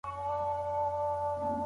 هغه به ئې له اثبات څخه عاجز وي.